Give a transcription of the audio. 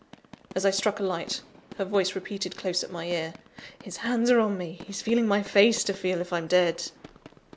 As I struck a light, her voice repeated close at my ear: "His hands are on me: he's feeling my face to feel if I'm dead!"